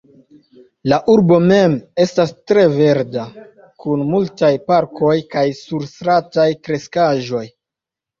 La urbo mem estas tre verda, kun multaj parkoj kaj surstrataj kreskaĵoj.